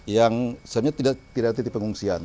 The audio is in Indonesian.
yang sebenarnya tidak ada titik pengungsian